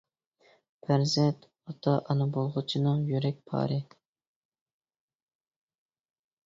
پەرزەنت ئاتا ئانا بولغۇچىنىڭ يۈرەك پارى.